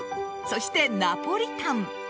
そして、ナポリタン。